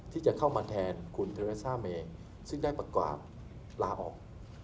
ที่จะเข้ามาแทนคุณเทรซ่าเมซึ่งได้ประกอบลาออก